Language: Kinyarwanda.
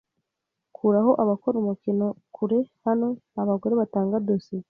Kuraho abakora umukino kure hano nta bagore batanga dosiye